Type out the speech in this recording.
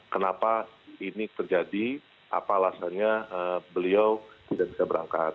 kenapa ini terjadi apa alasannya beliau tidak bisa berangkat